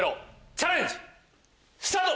チャレンジスタート！